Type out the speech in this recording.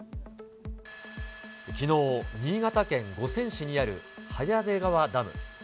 きのう、新潟県五泉市にある早出川ダム。